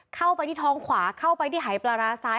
เข้าไปที่ท้องขวาเข้าไปที่หายปลาร้าซ้าย